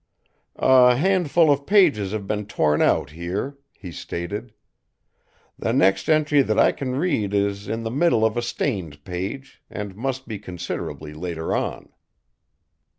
"A handful of pages have been torn out here," he stated. "The next entry that I can read is in the middle of a stained page, and must be considerably later on."